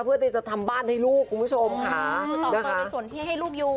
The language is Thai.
เพื่อที่จะทำบ้านให้ลูกคุณผู้ชมค่ะคือต่อไปในส่วนที่ให้ลูกอยู่